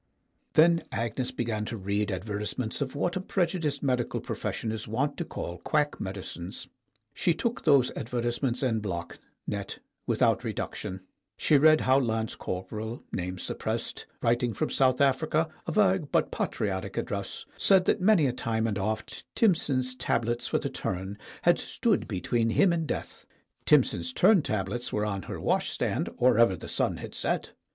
Then Agnes began to read advertisements of what ONE STONE 83 a prejudiced medical profession is wont to call quack medicines. She took those advertisements en bloc, net, without reduction. She read how Lance Corporal Name Suppressed, writing from South Africa a vague but patriotic address said that many a time and oft Timson's Tablets for the Turn had stood be tween him and death. Timson's Turn Tablets were on her washstand or ever the sun had set.